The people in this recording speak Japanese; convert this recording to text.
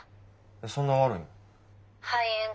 そんな悪いん？